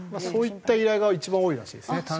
そういった依頼が一番多いらしいですね